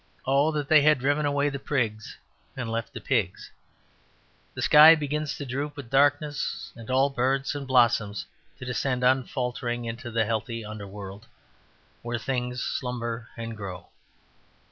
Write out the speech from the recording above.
Oh that they had driven away the prigs, and left the pigs! The sky begins to droop with darkness and all birds and blossoms to descend unfaltering into the healthy underworld where things slumber and grow.